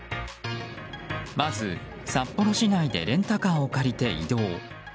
まず、札幌市内でレンタカーを借りて移動。